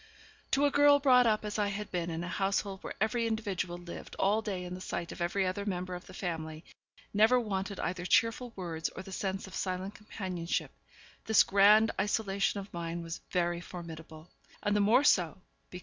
To a girl brought up as I had been in a household where every individual lived all day in the sight of every other member of the family, never wanted either cheerful words or the sense of silent companionship, this grand isolation of mine was very formidable; and the more so, because M.